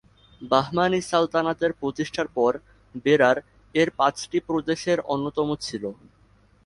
বাহমানি সালতানাতের প্রতিষ্ঠার পর বেরার এর পাঁচটি প্রদেশের অন্যতম ছিল।